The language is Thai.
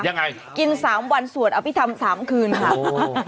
ยังไงกินสามวันสวดเอาไปทำสามคืนค่ะโอ้